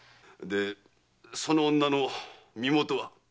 でその女の身元は？